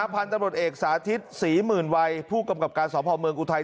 พันธุ์ตำรวจเอกสาธิตศรีหมื่นวัยผู้กำกับการสอบภอมเมืองอุทัย